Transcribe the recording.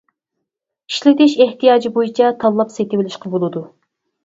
ئىشلىتىش ئېھتىياجى بويىچە تاللاپ سېتىۋېلىشقا بولىدۇ.